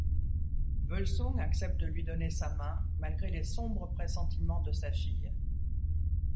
Völsung accepte de lui donner sa main, malgré les sombres pressentiments de sa fille.